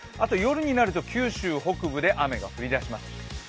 あと夜になると九州北部で雨が降り出します。